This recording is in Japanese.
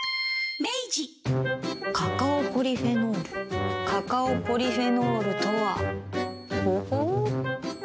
カカオポリフェノールカカオポリフェノールとはほほう。